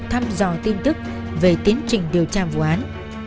thăm dò tin tức về tiến trình điều tra vụ án